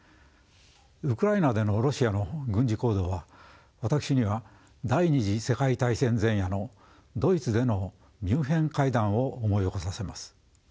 ウクライナでのロシアの軍事行動は私には第２次世界大戦前夜のドイツでのミュンヘン会談を思い起こさせます。